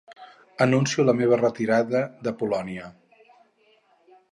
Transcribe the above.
Anuncio la meva retirada de ‘Polònia’.